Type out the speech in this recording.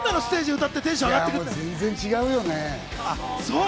ステージで歌ってテンション上が全然違うよね。